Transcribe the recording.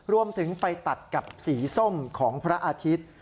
รวมถึงไปตัดกับสีส้มของพระอาทิตย์